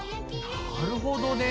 なるほどね！